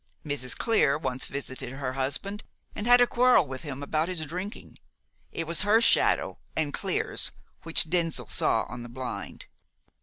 Mrs. Clear once visited her husband, and had a quarrel with him about his drinking. It was her shadow and Clear's which Denzil saw on the blind.